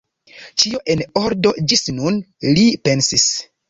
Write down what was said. Ĉio en ordo ĝis nun, li pensis.